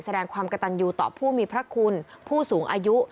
แสดงความกระตันยูต่อผู้มีพระคุณผู้สูงอายุ